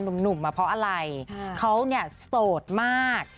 หนุ่มมาเพราะอะไรเขาเนี่ยโสดมาก